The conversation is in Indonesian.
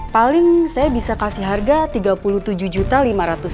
paling saya bisa kasih harga tiga puluh tujuh juta lima rupiah